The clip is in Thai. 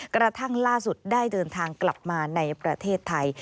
กระทั่งล่าสุดได้เดินทางกลับมาในประเทศไทย